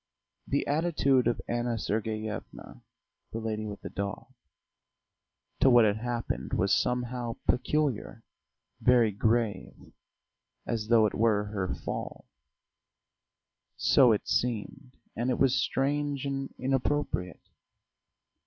The attitude of Anna Sergeyevna "the lady with the dog" to what had happened was somehow peculiar, very grave, as though it were her fall so it seemed, and it was strange and inappropriate.